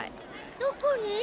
どこに？